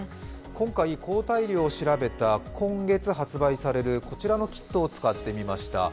今回抗体量を調べた今月発売されるこちらのキットを使ってみました。